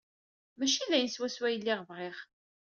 Maci d aya swaswa ay lliɣ bɣiɣ.